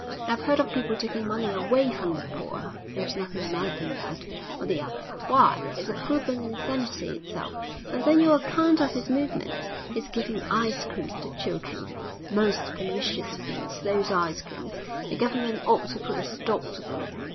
I've heard of people taking money away from the poor, there's nothing mad in that; but the other, why, it's a proof of insanity itself. And then your account of his movements! His giving ice creams to children. Most pernicious things, those ice creams! The Government ought to put a stop to them.